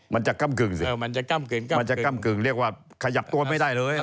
มันจะก้ำกึ่งสิมันจะก้ำมันจะก้ำกึ่งเรียกว่าขยับตัวไม่ได้เลย